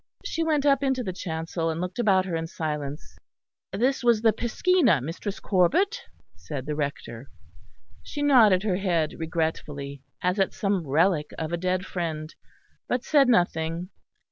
She went up into the chancel and looked about her in silence. "This was the piscina, Mistress Corbet," said the Rector. She nodded her head regretfully, as at some relic of a dead friend; but said nothing.